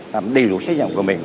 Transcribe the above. làm đầy đủ trách nhiệm của mình